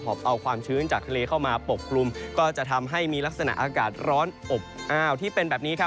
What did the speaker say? อบเอาความชื้นจากทะเลเข้ามาปกกลุ่มก็จะทำให้มีลักษณะอากาศร้อนอบอ้าวที่เป็นแบบนี้ครับ